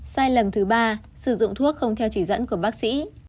sai lầm thứ ba sử dụng thuốc không theo chỉ dẫn của bác sĩ